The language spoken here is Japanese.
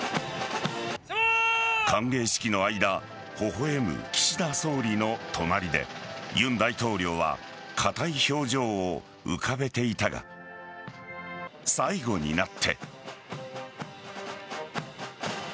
歓迎式の間微笑む岸田総理の隣で尹大統領は硬い表情を浮かべていたが最後になって。